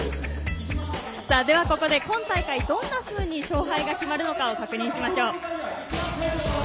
では、ここで今大会どんなふうに勝敗が決まるのか確認しましょう。